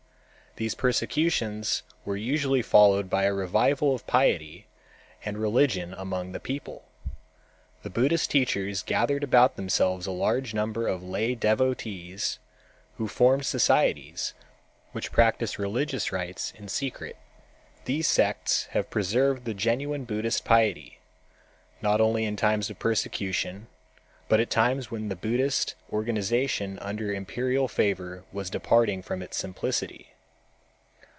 These persecutions were usually followed by a revival of piety and religion among the people. The Buddhist teachers gathered about themselves a large number of lay devotees who formed societies which practice religious rites in secret. These sects have preserved the genuine Buddhist piety, not only in times of persecution, but at times when the Buddhist organization under imperial favor was departing from its simplicity.